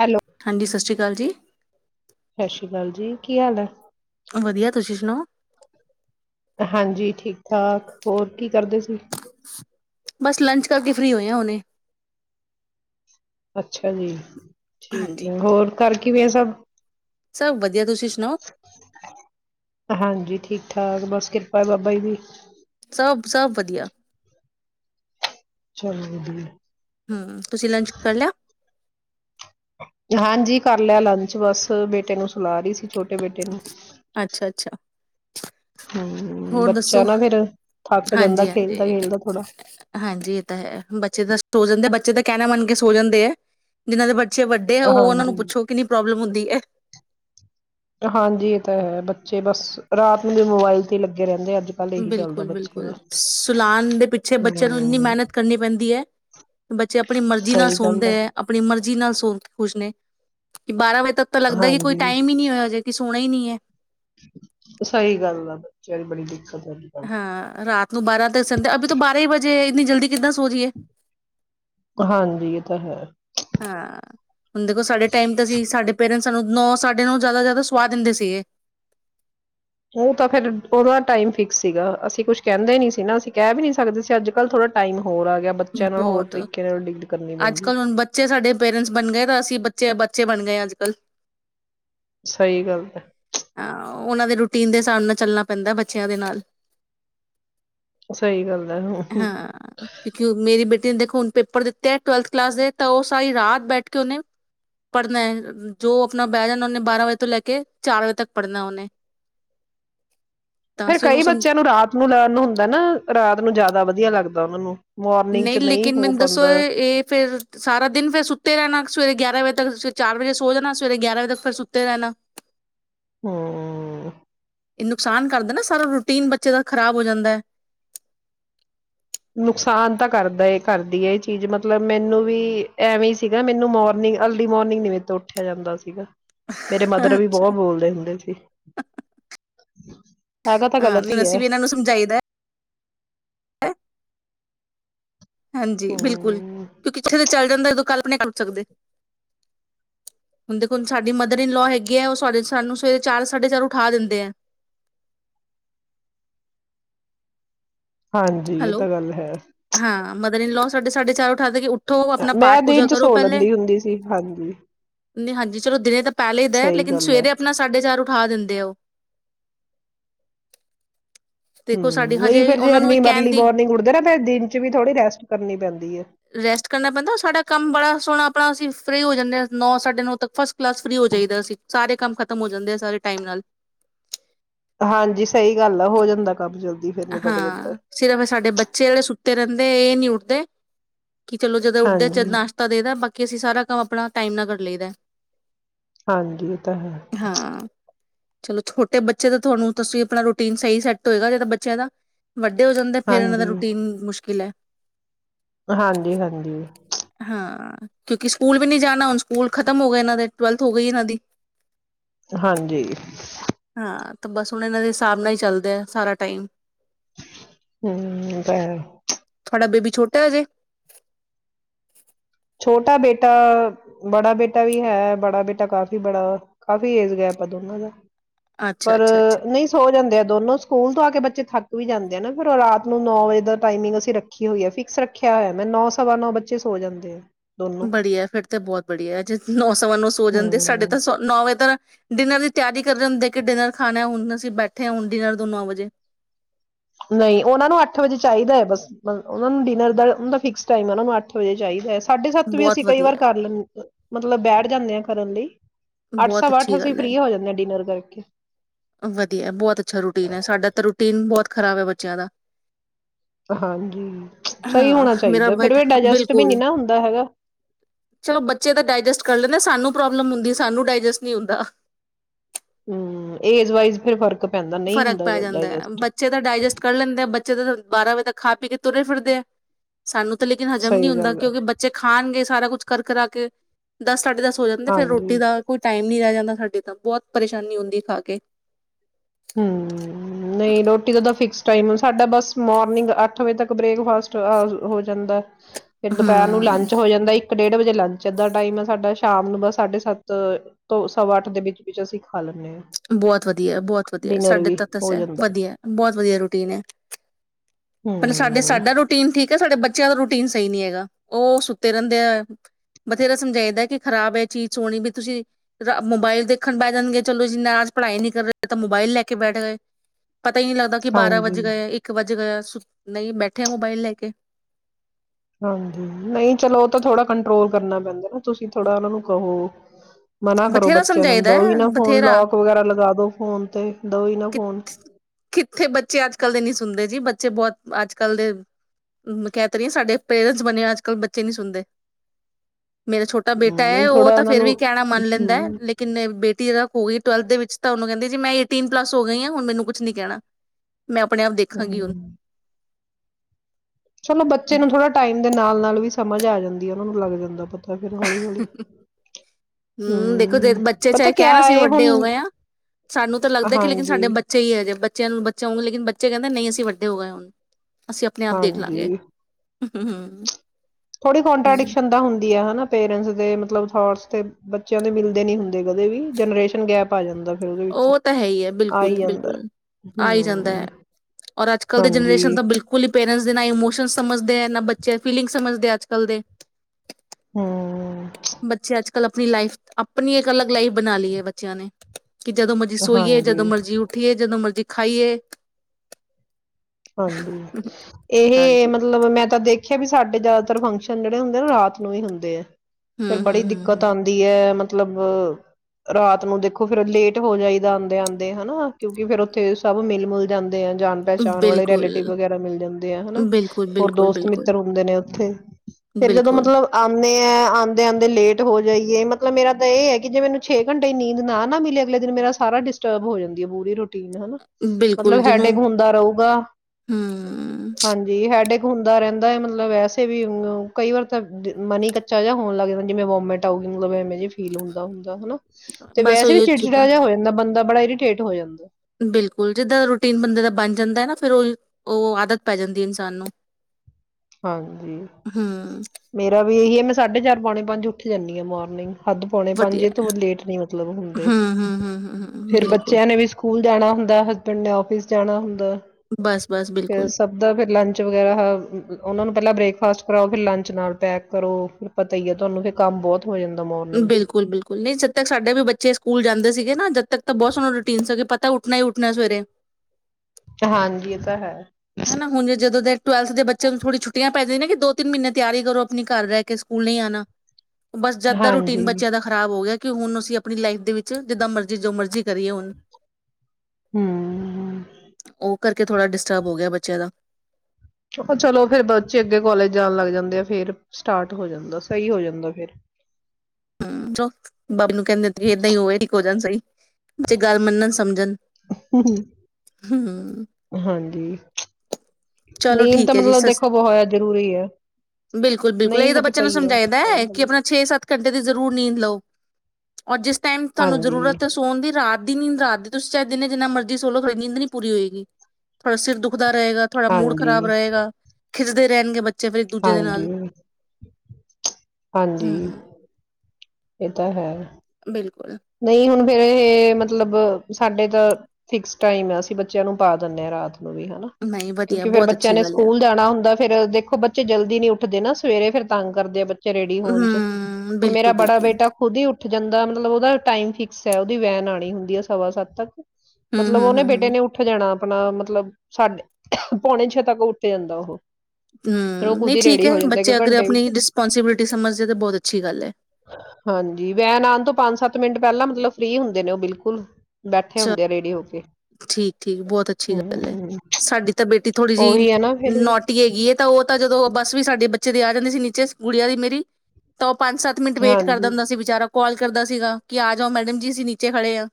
Hello ਹਾਂਜੀ ਸਤਿ ਸ਼੍ਰੀ ਅਕਾਲ ਕਾਲ ਜੀ ਸਤਿ ਸ੍ਰੀ ਅਕਾਲ ਜੀ ਕੀ ਹਾਲ ਏ ਵਧੀਆ ਤੁਸੀਂ ਸੁਣਾਓ ਹਾਂਜੀ ਠੀਕ ਠਾਕ ਹੋਰ ਕੀ ਕਰਦੇ ਸੀ ਬਸ ਲੰਚ ਕਰਕੇ ਫ੍ਰਰੀ ਹੋਏ ਆ ਹੁਣੇ ਅੱਛਾ ਜੀ ਠੀਕ ਹਾਂਜੀ ਹੋਰ ਕਰਕੇ ਕਿਵੇ ਇਹ ਸਭ ਸਭ ਵਧੀਆ ਤੁਸੀਂ ਸੁਣਾਓ ਹਾਂਜੀ ਠੀਕ ਠਾਕ ਬਸ ਕਿਰਪਾ ਏ ਬਾਬਾ ਜੀ ਦੀ ਸਭ ਸਭ ਵਧੀਆ [unintelligible] ਹੂੰ ਤੁਸੀਂ ਲੰਚ ਕਰ ਲਿਆ। ਹਾਂਜੀ ਕਰ ਲਿਆ ਲੰਚ ਬਸ ਬੇਟੇ ਨੂੰ ਸੁਲਾ ਰਹੀ ਸੀ। ਛੋਟੇ ਬੇਟੇ ਨੂੰ ਅੱਛਾ ਅੱਛਾ ਹਮ ਹੋਰ ਬੱਚਾ ਦੱਸੋ ਨਾ ਫੇਰ ਥੱਕ ਜਾਂਦਾ ਹਾਂਜੀ ਖੇਲਦਾ ਹਾਂਜੀ ਖੇਲਦਾ ਥੋੜਾ ਹਾਂਜੀ ਇਹ ਤਾਂ ਹੈ। ਬੱਚੇ ਤਾਂ ਸੋ ਜਾਂਦੇ ਬੱਚੇ ਤਾਂ ਕਹਿਣਾ ਮੰਨ ਕੇ ਸੋ ਜਾਂਦੇ ਹੈ। ਜਿਹਨਾਂ ਦੇ ਬਡ ਵੱਡੇ ਆ ਉਹ ਉਹਨਾਂ ਨੂੰ ਹਾਂਜੀ ਪੁੱਛੋ ਕਿੰਨੀ ਪ੍ਰੋਬਲਮ ਹੁੰਦੀ ਹੈ। ਹਾਂਜੀ ਇਹ ਤਾਂ ਹੈ ਬੱਚੇ ਬਸ ਰਾਤ ਨੂੰ ਵੀ ਮੋਬਾਇਲ ਤੇ ਲੱਗੇ ਰਹਿੰਦੇ ਆ। ਬਿਲਕੁਲ ਬਿਲਕੁਲ ਸੁਲਾਨ ਦੇ ਪਿੱਛੇ ਬੱਚਿਆਂ ਨੂੰ ਇੰਨੀ ਹਮ ਮਿਹਨਤ ਕਰਨੀ ਪੈਂਦੀ ਏ। ਬੱਚੇ ਆਪਣੀ ਮਰਜ਼ੀ ਨਾਲ ਸਹੀ ਗੱਲ ਸੌਂਦੇ ਹੈ ਏ। ਆਪਣੀ ਮਰਜ਼ੀ ਜੀ ਨਾਲ ਸੋਣ ਖੁਸ਼ ਨੇ ਕਿ ਬਾਰਾਂ ਵਜੇ ਤਾਂ ਲੱਗਦਾ ਕਿ ਕੋਈ ਹਾਂਜੀ ਟਾਈਮ ਈ ਨਹੀਂ ਹੋਇਆ ਹੋਜੇ ਸੋਣਾ ਹੀ ਨਹੀਂ ਹੈ ਸਹੀ ਗੱਲ ਆ ਬੱਚਿਆਂ ਬੜੀ ਦਿੱਕਤ ਹੈਗੀ ਕੱਲ ਹਾਂ ਰਾਤ ਨੂੰ ਬਾਰਾਂ ਦੱਸਣ ਦੇ ਅਭੀ ਤੋਂ ਬਾਰਾਂ ਵਜੇ ਇਤਨੀ ਜਲਦੀ। ਕਿੱਦਾਂ ਸੋਜੀਏ ਹਾਂਜੀ ਇਹ ਤਾਂ ਹੈ ਹਾਂ ਹੁਣ ਦੇਖੋ ਸਾਡੇ ਟਾਈਮ ਤਾਂ ਅਸੀਂ ਸਾਡੇ ਪੇਰੈਂਟਸ ਸਾਨੂੰ ਨੌ ਸਾਢੇ ਨੌ ਜ਼ਿਆਦਾ-ਜ਼ਿਆਦਾ ਸਵਾ ਦਿੰਦੇ ਸੀਗੇ। ਉਹ ਤਾਂ ਫੇਰ ਉਹਦਾ ਟਾਈਮ ਫਿਕਸ ਸੀਗਾ ਅਸੀਂ ਕੁਛ ਕਹਿੰਦੇ ਨਹੀਂ ਸੀ ਨਾ ਅਸੀਂ ਕਹਿ ਵੀ ਨਹੀਂ ਸਕਦੇ ਸੀ। ਅੱਜ ਕੱਲ੍ਹ ਥੋੜਾ ਟਾਈਮ ਹੋਰ ਆ ਗਿਆ ਬੱਚਿਆਂ ਨਾਲ ਹੋਰ ਬਹੁਤ ਤਰੀਕੇ ਨਾਲ ਡੀਲ ਕਰਨੀ ਅੱਜ ਪੈਂਦੀ ਕੱਲ੍ਹ ਹੁਣ ਬੱਚੇ ਸਾਡੇ ਪੇਰੈਂਟਸ ਬਣ ਗਏ ਤਾਂ ਅਸੀਂ ਬੱਚੇ ਬੱਚੇ ਬਣ ਗਏ ਅੱਜ ਕੱਲ੍ਹ ਸਹੀ ਗੱਲ ਤਾਂ ਹਾਂ ਉਹਨਾਂ ਦੇ ਰੂਟੀਨ ਦੇ ਹਿਸਾਬ ਨਾਲ ਚੱਲਣਾ ਪੈਂਦਾ ਬੱਚਿਆਂ ਦੇ ਨਾਲ ਸਹੀ ਗੱਲ ਆ ਹਾਂ। ਕਿਉਂਕਿ ਉਹ ਮੇਰੀ ਬੇਟੀ ਨੇ ਦੇਖੋ ਹੁਣ ਪੇਪਰ ਦਿੱਤੇ ਹੈ। ਟਵੈਲਥ ਕਲਾਸ ਦੇ ਤਾਂ ਉਹ ਸਾਰੀ ਰਾਤ ਬੈਠ ਕੇ ਉਹਨੇ ਪੜ੍ਹਨਾ ਹੈ। ਜੋ ਆਪਣਾ ਬਹਿ ਜਾਣਾ ਉਹਨੇ ਬਾਰਾਂ ਵਜੇ ਤੋਂ ਲੈ ਕੇ ਚਾਰ ਵਜੇ ਤੱਕ ਪੜ੍ਹਨਾ ਉਹਨੇ ਤਾਂ ਫੇਰ ਅਸੀਂ ਉਹਨੂੰ ਕਈ ਸਮ ਬੱਚਿਆਂ ਨੂੰ ਰਾਤ ਨੂੰ ਲਰਨ ਹੁੰਦਾ ਨਾ ਰਾਤ ਨੂੰ ਜਿਆਦਾ ਵਧੀਆ ਲੱਗਦਾ। ਉਹਨਾਂ ਨੂੰ ਮੋਰਨਿੰਗ ਚ ਨਹੀਂ ਲੇਕਿਨ ਹੋ ਮੈਨੂੰ ਦੱਸੋ ਪਾਉਂਦਾ ਇਹ ਫੇਰ ਸਾਰਾ ਦਿਨ ਫੇਰ ਸੁੱਤੇ ਰਹਿਣਾ ਸਵੇਰੇ ਗਿਆਰਾਂ ਵਜੇ ਚਾਰ ਵਜੇ ਸੋ ਜਾਣਾ ਸਵੇਰੇ ਗਿਆਰਾਂ ਵਜੇ ਤੱਕ ਫਿਰ ਸੁੱਤੇ ਰਹਿਣਾ। ਹੂੰ ਇਹ ਨੁਕਸਾਨ ਕਰਦਾ ਨਾ ਸਾਰਾ ਰੂਟੀਨ ਬੱਚੇ ਦਾ ਖ਼ਰਾਬ ਹੋ ਜਾਂਦਾ ਹੈ। ਨੁਕਸਾਨ ਤਾਂ ਕਰਦਾ ਕਰਦੀ ਹੈ ਇਹ ਚੀਜ਼ ਮਤਲਬ ਮੈਨੂੰ ਵੀ ਐਵੇਂ ਹੀ ਸੀਗਾ ਮੈਨੂੰ ਮੋਰਨਿੰਗ ਅਰਲੀ ਮੋਰਨਿੰਗ ਨੀ ਮੇਰੇ ਤੋਂ ਉੱਠਿਆ ਜਾਂਦਾ ਸੀਗਾ। ਮੇਰੇ ਮਦਰ ਵੀ ਬਹੁਤ ਬੋਲਦੇ ਹੁੰਦੇ ਸੀ ਹੈਗਾ ਤਾਂ ਹਾਂ ਗਲਤ ਨਹੀਂ ਹੀ ਅਸੀਂ ਹੈ ਵੀ ਇਹਨਾਂ ਨੂੰ ਸਮਝਾਈਦਾ ਹਾਂਜੀ ਬਿਲਕੁਲ ਹਮ ਕਿਉ ਕਿੱਥੇ ਤਾਂ ਚੱਲ ਜਾਂਦਾ ਦੇਖੋ ਹੁਣ ਸਾਡੀ ਮਦਰ ਇਨ ਲੋ ਹੈਗੀ ਹੈ ਉਹ ਸਾਨੂੰ ਸਵੇਰੇ ਚਾਰ ਸਾਢੇ ਚਾਰ ਉਠਾ ਦਿੰਦੇ ਆ! ਹਾਂਜੀ ਇਹ ਤਾਂ ਗੱਲ ਹੈ! ਹਾਂ ਮਦਰ ਇਨ ਲਾਅ ਸਾਡੇ ਸਾਡੇ ਚਾਰ ਉਠਾ ਦੇ ਕੇ ਉਠੋ ਆਪਣਾ ਪਾਠ ਮੈਂ ਪੂਜਾ ਦਿਨ ਚ ਕਰੋ ਸੋ ਪਹਿਲੇ ਲੈਂਦੀ ਹੁੰਦੀ ਸੀ ਹਾਂਜੀ। ਨਹੀਂ ਹਾਂਜੀ ਚਲੋ ਦਿਨੇ ਤਾਂ ਪਹਿਲੇ ਹੀ ਦਾ ਸਹੀ ਲੇਕਿਨ ਗੱਲ ਹੈ। ਸਵੇਰੇ ਆਪਣਾ ਸਾਢੇ ਚਾਰ ਉਠਾ ਦਿੰਦੇ ਆ ਉਹ ਦੇਖੋ ਸਾਡੀ ਹੂੰ ਉਹੀ ਹਜੇ ਫੇਰ ਜੇ ਉਹਨਾਂ ਨੂੰ ਵੀ ਇਨੀ ਕਹਿਣ ਅਗਲੀ ਦੀ ਮੋਰਨਿੰਗ ਉੱਠਦੇ ਨਾ ਫਿਰ ਦਿਨ ਚ ਵੀ ਥੋੜੀ ਰੈਸਟ ਕਰਨੀ ਪੈਂਦੀ ਐ। ਆਪਾ ਨਾ ਅਸੀਂ ਫ੍ਰਰੀ ਹੋ ਜਾਂਦੇ ਹਾਂ ਨੌ ਸਾਢੇ ਨੌ ਤੱਕ ਫਸਟ ਪਲੱਸ ਫ੍ਰਰੀ ਹੋ ਜਾਈਦਾ ਸੀ। ਕੰਮ ਖ਼ਤਮ ਹੋ ਜਾਂਦੇ ਆ ਸਾਰੇ ਟਾਈਮ ਨਾਲ ਹਾਂਜੀ ਸਹੀ ਗੱਲ ਆ ਹੋ ਜਾਂਦਾਂ ਕੰਮ ਜਲਦੀ ਫੇਰ ਨਿਬੜ ਜਾਂਦਾ ਹਾਂ ਸਿਰਫ ਸਾਡੇ ਬੱਚੇ ਹਲੇ ਸੁ ਤੇ ਰਹਿੰਦੇ ਇਹ ਨੀ ਉੱਠਦੇ ਕਿ ਚਲੋ ਜਦੋਂ ਉੱਠਦੇ ਜਦ ਹਾਂਜੀ। ਨਾਸ਼ਤਾ ਦੇਦਾਂ ਬਾਕੀ ਅਸੀਂ ਸਾਰਾ ਕੰਮ ਆਪਣਾ ਟਾਈਮ ਨਾਲ ਕਰ ਲਈਦਾ। ਹਾਂਜੀ ਇਹ ਤਾਂ ਹੈ। ਹਾਂ ਚਲੋ ਛੋਟੇ ਬੱਚੇ ਤਾਂ ਤੁਹਾਨੂੰ ਤਾਂਂ ਆਪਣਾ ਰੂਟੀਨ ਸਹੀ ਸੈੱਟ ਹੋਏਗਾ ਜਦੋਂ ਬੱਚੇ ਬੱਚਿਆਂ ਦਾ ਵੱਡੇ ਹੋ ਜਾਂਦੇ ਫਿਰ ਇਹਨਾਂ ਹਾਂਜੀ ਦਾ ਰੂਟੀਨ ਮੁਸ਼ਕਿਲ ਐ। ਹਾਂਜੀ- ਹਾਂਜੀ। ਹਾਂ ਕਿਉਂਕਿ ਸਕੂਲ ਵੀ ਨੀ ਜਾਣਾ, ਹੁਣ ਸਕੂਲ ਖਤਮ ਹੋ ਗਏ ਇਹਨਾਂ ਦੇ ਟਵੈਲਥ ਹੋ ਗਈ ਇਹਨਾਂ ਦੀ। ਹਾਂਜੀ ਹਾਂ ਤੇ ਬਸ ਹੁਣ ਇਹਨਾਂ ਦੇ ਹਿਸਾਬ ਨਾਲ ਹੀ ਚੱਲਦੇ ਆ ਸਾਰਾ ਟਾਈਮ ਹੁੰਦੈ ਤੁਹਾਡਾ ਬੇਬੀ ਛੋਟਾ ਅਜੇ ਛੋਟਾ ਬੇਟਾ ਬੜਾ ਬੇਟਾ ਵੀ ਹੈ ਬੜਾ ਬੇਟਾ ਕਾਫੀ ਬੜਾ ਕਾਫੀ ਏਜ ਗੈਪ ਆ ਦੋਨਾਂ ਦਾ। ਅੱਛਾ ਪਰ ਅੱਛਾ ਅੱਛਾ ਨਹੀਂ ਸੋ ਜਾਂਦੇ ਆ ਦੋਨੋ ਸਕੂਲ ਤੋਂ ਆ ਕੇ ਬੱਚੇ ਥੱਕ ਵੀ ਜਾਂਦੇ ਆ ਨਾ ਫਿਰ ਰਾਤ ਨੂੰ ਨੌ ਵਜੇ ਦਾ ਟਾਈਮਿੰਗ ਅਸੀਂ ਰੱਖੀ ਹੋਈ ਹੈ ਫਿਕਸ ਰੱਖਿਆ ਹੋਇਆ ਮੈਂ ਨੌ ਸਵਾ ਨੌ ਬੱਚੇ ਸੌ ਜਾਂਦੇ ਐ। ਬੜੀਆ ਫਿਰ ਤਾਂ ਬਹੁਤ ਬੜੀਆ ਜੇ ਨੌ ਸਵਾ ਨੂੰ ਸੋ ਜਾਂਦੇ ਸਾਡੇ ਹਮ ਤਾਂ ਨੌ ਵਜੇ ਤਾਂ ਡਿਨਰ ਦੀ ਤਿਆਰੀ ਕਰ ਰਹੇ ਹੁੰਦੇ ਕਿ ਡਿਨਰ ਖਾਣਾ ਹੁਣ ਅਸੀਂ ਬੈਠੇ ਆਂ ਹੁਣ ਡਿਨਰ ਤੇ ਨੌਂ ਵਜੇ ਨਹੀਂ ਉਹਨਾਂ ਨੂੰ ਅੱਠ ਵਜੇ ਚਾਹੀਦਾ ਹੈ ਬਸ ਉਹਨਾਂ ਨੂੰ ਡਿਨਰ ਦਾ ਦਾ ਫਿਕਸ ਟਾਈਮ ਐ ਉਹ ਨੂੰ ਅੱਠ ਵਜੇ ਚਾਹੀਦਾ। ਸਾਢੇ ਸੱਤ ਵੀ ਅਸੀਂ ਬਹੁਤ ਕਈ ਵਧੀਆ ਵਾਰ ਹੈ, ਕਰ ਲੈਂਦੇ ਮਤਲਬ ਬੈਠ ਜਾਂਦੇ ਆ ਕਰਨ ਲਈ ਅੱਠ ਬਹੁਤ ਸਵਾ ਅੱਠ ਅੱਛੀ ਅਸੀਂ ਗੱਲ ਹੈ ਫ੍ਰਰੀ ਹੋ ਜਾਂਦੇ ਆਂ ਡਿਨਰ ਕਰਕੇ। ਵਧੀਆ ਬਹੁਤ ਅੱਛਾ ਰੂਟੀਨ ਹੈ ਸਾਡਾ ਤਾਂ ਰੂਟੀਨ ਬਹੁਤ ਖ਼ਰਾਬ ਹੈ ਬੱਚਿਆਂ ਦਾ ਹਾਂਜੀ ਸਹੀ ਹਾਂ ਹੋਣਾ ਮੇਰਾ ਚਾਹੀਦਾ, ਬੇਟਾ ਫਿਰ ਡਾਈਜੈਸਟ ਵੀ ਬਿਲਕੁਲ ਨੀ ਨਾ ਹੁੰਦਾ ਹੈਗਾ। ਚਲੋ ਬੱਚੇ ਤਾਂ ਡਾਇਜੈਸਟ ਕਰ ਲੈਂਦੇ ਸਾਨੂੰ ਪ੍ਰੋਬਲਮ ਹੁੰਦੀ ਸਾਨੂੰ ਡਾਇਜੈਸਟ ਨਈ ਹੁੰਦਾ। ਹੂੰ, ਏਜ ਵਾਈਜ਼ ਫਿਰ ਫਰਕ ਫਰਕ ਪੈ ਜਾਂਦਾ ਐ ਬੱਚੇ ਤਾਂ ਡਾਇਜੈਸਟ ਕਰ ਲੈਂਦੇ ਆ। ਬੱਚੇ ਬਾਰਾਂ ਵਜੇ ਤੱਕ ਖਾ ਪੀ ਕੇ ਤੁਰੇ ਫਿਰਦੇ ਆ ਸਾਨੂੰ ਲੇਕਿਨ ਹਜ਼ਮ ਨਹੀਂ ਸਹੀ ਹੁੰਦਾ, ਗੱਲ ਹੈ ਕਿਉਂਕਿ ਬੱਚੇ ਖਾਣਗੇ ਸਾਰਾ ਕੁਛ ਕਰ ਕਰਾਕੇ ਦੱਸ ਸਾਡੇ ਦਸ ਹੋ ਜਾਂਦੇ ਫਿਰ ਹਾਂਜੀ ਰੋਟੀ ਦਾ ਕੋਈ ਟਾਈਮ ਨੀਂ ਰੈ ਜਾਂਦਾ ਸਾਡੇ ਤੋਂ ਬਹੁਤ ਪਰੇਸ਼ਾਨੀ ਹੁੰਦੀ ਖਾ ਕੇ ਹਂ, ਨਈਂ ਰੋਟੀ ਦਾ ਤਾਂ ਫਿਕਸ ਟਾਈਮ ਸਾਡਾ ਬਸ ਮੋਰਨਿੰਗ ਅੱਠ ਵਜੇ ਤੱਕ ਬ੍ਰੇਕਫਾਸਟ ਹੋਇਆ ਹੋ ਜਾਂਦਾ। ਫਿਰ ਦੁਪਹਿਰ ਨੂੰ ਹਮ ਲੰਚ ਹੋ ਜਾਂਦਾ ਇੱਕ ਇੱਕ ਡੇਢ ਵਜੇ ਲੰਚ ਏ ਦਾ ਟਾਈਮ ਸਾਡਾ ਸ਼ਾਮ ਨੂੰ ਬਸ ਸਾਢੇ ਸੱਤ ਤੋਂ ਸਵਾ ਅੱਠ ਦੇ ਵਿੱਚ-ਵਿੱਚ ਅਸੀਂ ਖਾ ਲੈਣੇ। ਬਹੁਤ ਵਧੀਆ ਬਹੁਤ। ਵਧੀਆ ਸਾਡੇ ਵੀ ਤੱਸ ਹੋ ਐ, ਜਾਂਦਾ ਵਧੀਆ ਬਹੁਤ ਵਧੀਆ ਰੂਟੀਨ ਐ, ਪਹਿਲਾਂ ਸਾਡੇ ਹੂੰ ਸਾਡਾ ਰੂਟੀਨ ਠੀਕ ਸਾਡੇ ਬੱਚਿਆਂ ਦਾ ਰੂਟੀਨ ਸਹੀ ਨੀਂ ਹੈਗਾ ਉਹ ਸੁੱਤੇ ਰਹਿੰਦੇ ਆ ਬਥੇਰਾ ਸਮਝਾਈਦਾ ਕਿ ਖ਼ਰਾਬ ਇਹ ਚੀਜ਼ ਸੋਹਣੀ ਵੀ ਤੁਸੀਂ ਮੋਬਾਇਲ ਦੇਖਣ ਬੈ ਜਾਣਗੇ ਚਲੋ ਜੀ। ਜਿੰਨਾ ਅੱਜ ਪੜ੍ਹਾਈ ਨੀਂ ਕਰ ਰਹੇ ਤਾਂ ਮੋਬਾਈਲ ਲੈ ਕੇ ਬੈਠ ਗਏ। ਪਤਾ ਹੀ ਨ੍ਹੀਂ ਲੱਗਦਾ ਕਿ ਬਾਰਾਂ ਹਾਂਜੀ ਵਜੇ ਗਏ, ਇੱਕ ਵਜ ਗਿਆ। ਸ ਨਈਂ ਬੈਠੇ ਆ ਮੋਬਾਈਲ ਲੈ ਕੇ। ਹਾਂਜੀ, ਨਈਂ ਚਲੋ ਉਹ ਤਾਂ ਥੋੜਾ ਕੰਟਰੋਲ ਕਰਨਾ ਪੈਂਦਾ ਨਾਂ ਤੁਸੀਂ ਥੋੜਾ ਉਹਨਾਂ ਨੂੰ ਕਹੋ ਮਨਾਂ ਕਰੋ ਬਥੇਰਾ ਬੱਚਿਆਂ ਨੂੰ ਸਮਝਾਈਦਾ ਦੋ ਹੈ ਈਨਾਂ ਫੋਨ ਬਥੇਰਾ ਲੋਕ ਵਗੈਰਾ ਲਗਾ ਦੋ ਫੋਨ ਤੇ ਦ ਕੋਈ ਨਾ ਕਿ ਫੋਣ। ਕਿੱਥੇ ਬੱਚੇ ਅੱਜ ਕਲ ਦੇ ਨੀ ਸੁਣਦੇ ਜੀ, ਬੱਚੇ ਬਹੁਤ ਅੱਜ ਕਲ ਦੇ ਕਹਿ ਤੇ ਰਹੀ ਸਾਡੇ ਪੇਰੈਂਟਸ ਬਣੇ ਹੋ ਅੱਜ ਕਲ ਬੱਚੇ ਨੀ ਸੁਣਦੇ ਮੇਰਾ ਛੋਟਾ ਬੇਟਾ ਐ ਹੂੰ ਉਹ ਥੋੜਾ ਤਾਂ ਇਹਨਾਂ ਫੇਰ ਨੂੰ ਵੀ ਕਹਿਣਾ ਮੰਨ ਲੈਂਦਾ ਹੈ ਹੂੰ ਲੇਕਿਨ ਬੇਟੀ ਦਾ ਹੋ ਗਈ ਟਵੈਲਥ ਦੇ ਵਿੱਚ ਤੁਹਨੂੰ ਕਹਿੰਦੇ ਜੀ ਮੈਂ ਏਟੀਨ ਪਲੱਸ ਹੋ ਗਈਆਂ ਹੁਣ ਮੈਨੂੰ ਕੁਛ ਨੀ ਕਹਿਣਾ। ਮੈਂ ਆਪਣੇ ਆਪ ਦੇਖਾਂਗੀ ਹੁਣ ਹਮ ਚਲੋ ਬੱਚੇ ਨੂੰ ਥੋੜਾ ਟਾਈਮ ਦੇ ਨਾਲ-ਨਾਲ ਵੀ ਸਮਝ ਆ ਜਾਂਦੀ ਐ, ਉਹਨਾਂ ਨੂੰ ਲੱਗ ਜਾਂਦਾ ਪਤਾ ਫਿਰ ਹੌਲੀ ਹੌਲੀ [unintelligible] ਹਮ, ਦੇਖੋ ਜੇ ਬੱਚੇ ਪਤਾ ਚਾਹੇ ਕਿਆ ਕਹਿਣ ਅਸੀਂ ਏ ਹੁਣ ਵੱਡੇ ਹੋ ਗਏ ਹਾਂ, ਸਾਨੂੰ ਤਾਂ ਲੱਗਦਾ ਕਿ ਲੇਕਿਨ ਹਾਂਜੀ ਸਾਡੇ ਬੱਚੇ ਹੀ ਹੈਜੇ। ਬ ਬੱਚਿਆਂ ਨੂੰ ਬੱਚੇਂਗੇ ਲੇਕਿਨ ਬੱਚੇ ਕਹਿੰਦੇ ਨਈਂ ਅਸੀ ਵਡੇ ਹੋ ਗਏ ਹੁਣ। ਅਸੀਂ ਆਪਣੇ ਆਪ ਦੇਖ ਲਾਂਗੇ। [unintelligible] ਹੂੰ। ਥੋੜ੍ਹੀ ਕੋਂਟਰਾਡਿਕਸ਼ਨ ਤਾਂ ਹੁੰਦੀ ਆਂ ਹਨਾਂ। ਪੇਰੈਂਟਸ ਦੇ ਮਤਲਬ ਥੋਟਸ ਤੇ ਬੱਚਿਆਂ ਦੇ ਮਿਲਦੇ ਨੀਂ ਹੁੰਦੇ ਕਦੇ ਵੀ, ਜਨਰੇਸ਼ਨ ਗੈਪ ਆ ਜਾਂਦਾ। ਫਿਰ ਉਹਦੇ ਵਿੱਚ ਉਹ ਤਾਂ ਹੈ ਈ ਐ, ਆ ਬਿਲਕੁਲ ਹੀ ਜਾਂਦਾ ਬਿਲਕੁਲ ਆ ਹੀ ਜਾਂਦਾ ਹਮ ਐ, ਔਰ ਅੱਜ ਕੱਲ ਦੀ ਹਾਂਜੀ ਜਨਰੇਸ਼ਨ ਤਾਂ ਬਿਲਕੁਲ ਹੀ ਪੇਰੈਂਟਸ ਦੇ ਨਾਲ ਇਮੋਸ਼ਨਸ ਸਮਝਦੇ ਆ ਨਾਂ, ਬੱਚੇ ਫੀਲਿੰਗ ਸਮਝਦੇ ਆ, ਅੱਜ-ਕੱਲ ਦੇ ਹੂੰ। ਬੱਚੇ ਅੱਜ-ਕੱਲ ਆਪਣੀ ਲਾਈਫ ਆਪਣੀ ਇੱਕ ਅਲੱਗ ਲਾਈਫ ਬਣਾ ਲਈ ਐ, ਬੱਚਿਆਂ ਨੇ। ਕਿ ਜਦੋਂ ਮਰਜ਼ੀ ਸੋਈਏ, ਹਾਂਜੀ ਜਦੋਂ ਮਰਜ਼ੀ ਉੱਠੀਏ, ਜਦੋਂ ਮਰਜ਼ੀ ਖਾਈਏ। ਹਾਂਜੀ, ਇਹ ਹਾਂਜੀ ਮਤਲਬ ਮੈਂ ਤਾਂ ਦੇਖ ਇੱਥੇ ਵੀ ਸਾਡੇ ਜਿਆਦਾਤਰ ਫੰਕਸ਼ਨ ਜਿਹੜੇ ਹੁੰਦੇ, ਰਾਤ ਨੂੰ ਹੀ ਹੁੰਦੇ ਆ। ਫੇਰ ਹੂੰ ਹੂੰ ਬੜੀ ਹੂੰ ਦਿੱਕਤ ਹੂੰ ਆਉਂਦੀ ਹੈ, ਮਤਲਬ ਮਤਲਬ, ਰਾਤ ਨੂੰ ਦੇਖੋ ਫੇਰ ਲੇਟ ਹੋ ਜਾਈਦਾ, ਆਉਂਦੇ- ਆਉਂਦੇ ਹਨਾ ਕਿਉਂਕਿ ਫੇਰ ਉੱਥੇ ਸਭ ਮਿਲ -ਮੁਲ ਜਾਂਦੇ ਆ ਜਾ। ਰੀਐਟੀਵ ਬਿਲਕੁਲ ਵਗੈਰਾ ਮਿਲ ਜਾਂਦੇ ਆ, ਬਿਲਕੁਲ ਹੋਰ ਬਿਲਕੁਲ ਦੋਸਤ ਬਿਲਕੁਲ ਮਿੱਤਰ ਹੁੰਦੇ ਨੇ ਉਥੇ, ਫੇਰ ਜਦੋਂ ਬਿਲਕੁਲ ਮਤਲਬ ਆਉਂਦੇ ਆਂਦੇ ਲੇਟ ਹੋ ਜਾਈਏ, ਮਤਲਬ ਮੇਰਾ ਤਾਂ ਇਹ ਹੈ ਕਿ, ਜੇ ਮੈਨੂੰ ਛੇ ਘੰਟੇ ਹੀ ਨੀਂਦ ਨਾ ਮਿਲੇ, ਅਗਲੇ ਦਿਨ ਮੇਰਾ ਸਾਰਾ ਡਿਸਟਰਬ ਹੋ ਜਾਂਦੀ ਹੈ ਪੂਰੀ ਹਨਾ, ਬਿਲਕੁਲ ਮਤਲਬ ਜਿਹਨੂੰ ਹੈਡਕ ਹੁੰਦਾ ਰਹੂ। ਹੂੰ ਹਾਂਜੀ ਹੈ। ਹੈਡਿਕ ਹੁੰਦਾ ਰਹਿੰਦਾ ਹੈ, ਮਤਲਬ ਵੈਸੇ ਵੀ ਕਈ ਵਾਰ ਤਾਂ ਮਨ ਹੀ ਕੱਚਾ ਜਿਹਾ ਹੋਣ ਲੱਗ ਜਾਂਦਾ, ਜਿਵੇਂ ਵੋਮਿਟ ਆਊਗੀ, ਮਤਲਬ ਐਵੇਂ ਜੇ ਫੀਲ ਹੁੰਦਾ ਹੁੰਦਾ ਹਨਾ। ਤੇ ਬਸ ਵੈਸੇ ਵੀ ਉਹੀਓ ਚਿੜਚਿੜਾ ਜਿੱਦਾਂ ਜਿਹਾ ਹੋ ਜਾਂਦਾ, ਬੰਦਾ। ਬੜਾ ਇਰੀਟੇਟ ਹੋ ਜਾਂਦਾ। ਬਿਲਕੁਲ, ਜਿੱਦਾ ਰੂਟੀਨ ਬੰਦੇ ਦਾ ਬਣ ਜਾਂਦਾ ਹੈ ਨਾ, ਫਿਰ ਉਹ ਉਹ ਆਦਤ ਪੈ ਜਾਂਦੀ ਇਨਸਾਨ ਨੂੰ। ਹਾਂਜੀ, ਹੂੰ ਮੇਰਾ ਵੀ ਇਹੀ ਹੈ ਸਾਢੇ ਚਾਰ, ਪੌਣੇ ਪੰਜ, ਉੱਠ ਜਾਂਦੀ ਆ ਮੋਰਨਿੰਗ। ਹੱਦ ਪਾਉਣੇ ਵਧੀਆ ਪੰਜੇ ਤੋਂ ਲੇਟ ਨੀ ਮਤਲਬ ਹੁੰਦੇ, ਹੂੰ, ਹੂੰ, ਹੂੰ, ਹੂੰ, ਹੂੰ, ਫੇਰ ਬਿਲਕੁਲ, ਬੱਚਿਆਂ ਨੇ ਵੀ ਸਕੂਲ। ਜਾਣਾ ਹੁੰਦਾ ਹਸਬੈਂਡ ਨੇ ਆਫਿਸ ਜਾਣਾ ਹੁੰਦਾ। ਬਸ-ਬਸ ਫਿਰ ਬਿਲਕੁਲ, ਸਭ ਦਾ ਫੇਰ ਲੰਚ ਵਗੈਰਾ ਪਹਿਲਾਂ ਬ੍ਰੇਕਫਾਸਟ ਕਰਾਉ, ਫਿਰ ਲੰਚ ਨਾਲ ਪੈਕ ਕਰੋ, ਫਿਰ ਪਤਾ ਹੀ ਹੈ ਤੁਹਾਨੂੰ ਫਿਰ ਕੰਮ ਬਹੁਤ ਹੋ ਜਾਂਦਾ ਮੋਰਨਿੰਗ ਚ। ਬਿਲਕੁਲ, ਬਿਲਕੁਲ ਨਹੀਂ ਜਦ ਤੱਕ ਸਾਡੇ ਵੀ ਬੱਚੇ ਸਕੂਲ ਜਾਂਦੇ ਸੀਗੇ ਨਾ ਜਦ ਤਦ ਤੱਕ ਤਾਂ ਬਹੁਤ ਸਾਨੂੰ ਰੂਟੀਨ ਸੀ, ਪਤਾ ਉੱਠਣਾ ਹੀ ਉੱਠਣਾ ਸਵੇਰੇ। ਹਾਂਜੀ, ਇਹ ਤਾਂ ਹੈ। ਹਨਾ, ਹੁਣ ਜਦੋਂ ਦੇ ਟੇਵੇਲਥ ਦੇ ਬੱਚਿਆਂ ਨੂੰ ਥੋੜੀ ਛੁੱਟੀਆਂ ਪੈ ਜਾਂਦੀਆਂ ਨੇ ਦੋ ਤਿੰਨ ਮਹੀਨੇ ਤਿਆਰੀ ਕਰੋ ਆਪਣੀ, ਘਰ ਰਹਿ ਕੇ ਸਕੂਲ ਨਹੀਂ ਆਉਣਾ। ਬਸ ਜਦ ਦਾ ਰੂਟੀਨ ਹਾਂਜੀ ਬੱਚਿਆਂ ਦਾ ਖ਼ਰਾਬ ਹੋ ਗਿਆ। ਕਿ ਹੁਣ ਅਸੀਂ ਆਪਣੀ ਲਾਈਫ ਦੇ ਵਿੱਚ ਜਿੱਦਾਂ ਮਰਜ਼ੀ, ਜੋ ਮਰਜ਼ੀ ਕਰੀਏ ਹੁਣ। ਹਮ। ਉਹ ਕਰਕੇ ਥੋੜਾ ਡਿਸਟਰਬ ਹੋ ਗਿਆ ਬੱਚਿਆਂ ਦਾ ਉਹ ਚਲੋ ਫਿਰ, ਬੱਚੇ ਅੱਗੇ ਕੋਲਜ ਜਾਣ ਲੱਗ ਜਾਂਦੇ ਆ, ਫਿਰ ਸਟਾਰਟ ਹੋ ਜਾਂਦਾ ਸਹੀ ਹੋ ਜਾਂਦਾ ਫਿਰ ਹਮ, ਚਲ ਬਾਬੇ ਨੂੰ ਕਹਿੰਦੇ ਏਦਾਂ ਹੀ ਹੋਏ, ਉਹ ਠੀਕ ਹੋ ਜਾਣ ਸਹੀ। ਜੇ ਗੱਲ ਮੰਨਣ, ਸਮਝਣ, ਹਮ ਹਾਂਜੀ ਚਲੋ ਨੀਂਦ ਠੀਕ ਤਾਂ ਹੈ ਜੀ, ਮਤਲਬ ਸ ਦੇਖੋ ਬਹੁਤ ਜ਼ਰੂਰੀ ਹੈ ਬਿਲਕੁਲ- ਬਿਲਕੁਲ ਇਹ ਨਹੀਂ ਤਾਂ ਹਜੇ ਬੱਚਿਆਂ ਨੂੰ ਪਈ ਸਮਝਾਈਦਾ ਹੈ, ਕਿ ਹਾਂਜੀ ਆਪਣਾ ਛੇ ਸੱਤ- ਘੰਟੇ ਦੀ ਜ਼ਰੂਰ ਨੀਂਦ ਲਓ। ਔਰ ਜਿਸ ਟਾਈਮ ਤੁਹਾਨੂੰ ਹਾਂਜੀ ਜ਼ਰੂਰਤ ਹੈ ਸੋਣ ਦੀ ਰਾਤ ਰਾ ਨੀਂਦ ਰਾਤ ਦੀ ਤੁਂ ਚਾਹਿਨੇ ਜਿੰਨਾ ਮਰਜ਼ ਸੋਲੋ ਤੁਹਾਡੀ ਨੀਦੀ ਪੂਰੀ ਹੋਏਗੀ ਥਹਾੜਾ ਸਿਰ ਦੁੱਖ ਦਾ ਰਹੇਗਾ, ਥੋੜਾ ਮੂਡ ਖ਼ਰਾਬ ਰਹੇਗਾ। ਖਿੱਝਦੇ ਰਹਿਣਗੇ ਬੱਚੇ ਫਿਰ ਇੱਕ ਦੂਜੇ ਦੇ ਨਾਲ ਹਾਂਜੀ ਹਾਂਜੀ ਹਮ ਇਹ ਤਾਂ ਹੈ ਬਿਲਕੁਲ ਨਹੀਂ ਹੁਣ ਫੇਰ ਇਹ ਮਤਲਬ ਸਾਡੇ ਦਾ ਫਿਕਸ ਟਾਈਮ ਹੈ ਅਸੀਂ ਬੱਚਿਆਂ ਨੂੰ ਪਾ ਦਿੰਦੇ ਹਾਂ ਰਾਤ ਵੀ ਹਨਾ ਨਹੀਂ ਵਧੀਆ ਕਿਉਂਕਿ ਫੇਰ ਬਹੁਤ ਬੱਚਿਆਂ ਅੱਛੀ ਨੇ ਗੱਲ ਹੈ ਸਕੂਲ ਜਾਣਾ ਹੁੰਦਾ ਫੇਰ ਦੇਖੋ ਬੱਚੇ ਜਲਦੀ ਨੀ ਉੱਠਦੇ ਨਾ ਸਵੇਰੇ ਫਿਰ ਤੰਗ ਕਰਦੇ ਆ ਬੱਚੇ ਰੇਡੀ ਹੋਣ ਚ ਹਮ ਹੁਣ ਮੇਰਾ ਬਿਲਕੁਲ ਬੜਾ ਬਿਲਕੁਲ ਬੇਟਾ ਖੁਦ ਹੀ ਉੱਠ ਜਾਂਦਾ ਮਤਲਬ ਉਹਦਾ ਮ ਫਿਕਸ ਹੈ ਉਹਦੀ ਵੈਨ ਆਉਣੀ ਹੁੰਦੀ ਹੈ ਸਵਾ ਸੱਤ ਤੱਕ ਹਮ ਮਤਲਬ ਹਮ ਉਹਨੇ ਹਮ ਬੇਟੇ ਹਮ ਨੇ ਉੱਠ ਜਾਣਾ ਆਪਣਾ ਮਤਲਬ ਸਾਡੇ ਪੌਣੇ ਛੇ ਤੱਕ ਉੱਠ ਜਾਂਦਾ ਉਹ ਫੇਰ ਉਹ ਖੁਦ ਨਹੀਂ ਹੀ ਠੀਕ ਰੇਡੀ ਹੈ ਹੋ ਜਾਂਦਾ ਇੱਕ ਬੱਚੇ ਅਗਰ ਘੰਟੇ ਆਪਣੀ ਵਿੱਚ ਰਿਸਪੋਂਸਿਬਿਲਿਟੀ ਸਮਝਦੇ ਤਾਂ ਬਹੁਤ ਅੱਛੀ ਗੱਲ ਏ ਹਾਂਜੀ ਵੈਨ ਆਉਣ ਤੋਂ ਪੰਜ ਸੱਤ ਮਿੰਟ ਪਹਿਲਾਂ ਮਤਲਬ ਫ੍ਰਰੀ ਹੁੰਦੇ ਨੇ ਉਹ ਬਿਲਕੁਲ ਬੈਠੇ ਅੱਛਾ ਹੁੰਦੇ ਆ ਰੇਡੀ ਹੋ ਕੇ ਠੀਕ ਠੀਕ ਬਹੁਤ ਅੱਛੀ ਹਮ ਗੱਲ ਹੈ ਹਮ, ਸਾਡੀ ਤਾਂ ਬੇਟੀ ਥੋੜੀ ਜਿਹੀ ਉਹੀ ਹੈ ਨਾ ਫੇਰ ਨੋਟੀ ਹੈਗੀ ਹੈ ਤਾਂ ਉਹ ਤਾਂ ਜਦੋਂ ਬੱਸ ਵੀ ਸਾਡੀ ਬੱਚੇ ਦੀ ਆ ਜਾਂਦੇ ਸੀ ਨੀਚੇ ਗੁੜੀੀਆਂ ਦੀ ਮੇਰੀ ਟੋਪ ਪੰਜ ਸੱਤ ਮਿੰਟ ਵੇਟ ਹਾਂਜੀ ਕਰਦਾ ਹੁੰਦਾ ਸੀ ਵਿਚਾਰਾ ਕਾਲ ਕਰਦਾ ਸੀਗਾ ਕਿ ਆ ਜਾਓ ਮੈਡਮ ਜੀ ਅਸੀਂ ਨੀਚੇ ਖੜੇ ਹਾਂ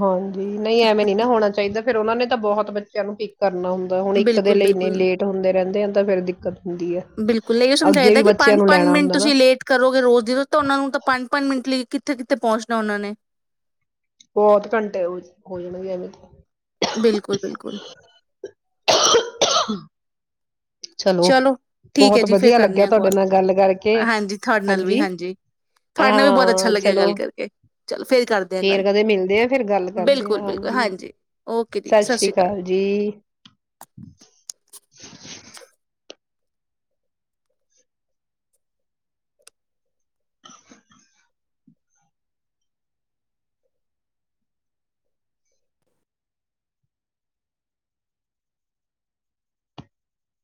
ਹਾਂਜੀ ਨਹੀਂ ਐਵੇਂ ਨੀ ਨਾ ਹੋਣਾ ਚਾਹੀਦਾ ਫ਼ਿਰ ਉਹਨਾਂ ਨੇ ਤਾਂ ਬਹੁਤ ਬੱਚਿਆਂ ਨੂੰ ਭੀ ਕਰਨਾ ਹੁੰਦਾ ਹੁਣ ਇੱਕ ਦੇ ਬਿਲਕੁਲ ਲਈ ਇੰਨੇ ਬਿਲਕੁਲ ਲੇਟ ਹੁੰਦੇ ਰਹਿੰਦੇ ਆ ਤਾਂ ਫਿਰ ਦਿੱਕਤ ਹੁੰਦੀ ਹੈ ਬਿਲਕੁਲ ਮ ਇਹ ਅੱਗੇ ਵੀ ਸਮਝਾਇਦਾ ਕਿ ਬੱਚਿਆਂ ਪੰਜ ਨੂੰ ਪੰਜ ਲੈਣਾ ਮਿੰਟ ਹੁੰਦਾ ਨਾ ਤੁਸੀਂ ਲੇਟ ਕਰੋਗੇ ਰੋਜ਼ ਦੀ ਰੋਜ਼ ਤਾਂ ਉਹਨਾਂ ਨੂੰ ਤਾਂ ਪੰਜ ਪੰਜ ਮਿੰਟ ਲਈ ਕਿੱਥੇ ਕਿੱਥੇ ਪਹੁੰਚਣਾ ਉਨਾਂ ਨੇ- ਬਹੁਤ ਘੰਟੇ ਹੋ ਜਾਣਗੇ ਐਵੇਂ - ਬਿਲਕੁਲ ਬਿਲਕੁਲ [inaudible] ਚਲੋ- ਠੀਕ ਹੈ ਬਹੁਤ ਜੀ ਫਿਰ ਬਧੀਆ ਕਰਨੇ ਲੱਗਿਆ ਆ ਤਾਡੇ ਕਾਲ ਨਾਲ ਗੱਲ ਕਰਕੇ। ਹਾਂਜੀ ਤੁਹਾਡੇ ਨਾਲ ਵੀ ਹਾਂਜੀ ਤੁਹਾਡੇ ਨਾਲ ਵੀ ਬਹੁਤ ਅੱਛਾ -ਹਾਂ ਲੱਗਿਆ ਚਲੋ ਗੱਲ ਕਰਕੇ ਚਲੋ ਫੇਰ ਕਰਦੇ ਆ ਗੱਲ ਫੇਰ ਕਦੇ ਮਿਲਦੇ ਆਂ। ਫਿਰ ਗੱਲ ਕਰਦੇ ਆ। ਬਿਲਕੁਲ-ਬਿਲਕੁਲ ਹਾਂਜੀ ਓਕੇ ਜੀ ਸਤਿ ਸਾਸਰੀ ਸ਼੍ਰੀ ਅਕਾਲ। ਕਾਲ ਜੀ। [inaudible]